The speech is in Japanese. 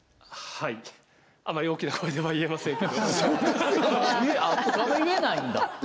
はいあまり大きな声では言えませんがそうですよね！